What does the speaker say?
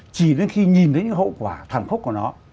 chỉ đến khi nhìn thấy những hậu quả thẳng khúc của nó